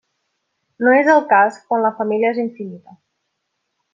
No és el cas quan la família és infinita.